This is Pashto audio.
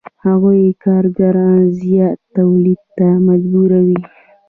هغوی کارګران زیات تولید ته مجبوروي